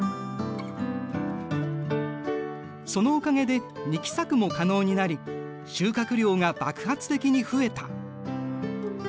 そのおかげで二期作も可能になり収穫量が爆発的に増えた。